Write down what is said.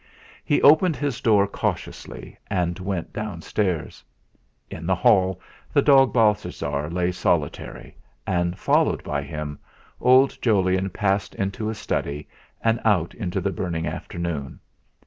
He opened his door cautiously, and went downstairs. In the hall the dog Balthasar lay solitary, and, followed by him, old Jolyon passed into his study and out into the burning afternoon.